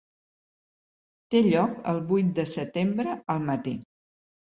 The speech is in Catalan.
Té lloc el vuit de setembre al matí.